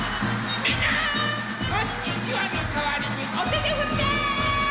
こんにちはのかわりにおててをふって！